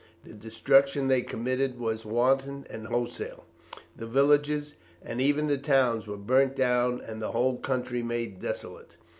The destruction they committed was wanton and wholesale; the villages, and even the towns, were burnt down, and the whole country made desolate.